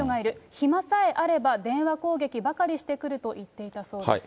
暇さえあれば電話攻撃ばかりしてくると言っていたそうです。